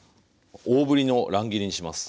大ぶりの乱切りにします。